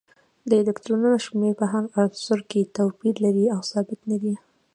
د الکترونونو شمیر په هر عنصر کې توپیر لري او ثابت نه دی